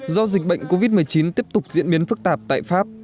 do dịch bệnh covid một mươi chín tiếp tục diễn biến phức tạp tại pháp